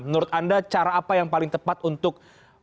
menurut anda cara apa yang paling tepat untuk